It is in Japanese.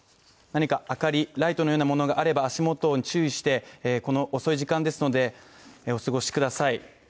何かライトのようなものがあれば足元に注意してこの遅い時間ですので、お過ごしください。